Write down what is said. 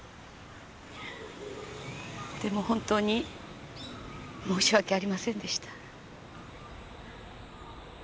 でも本当に申し訳ありませんでした。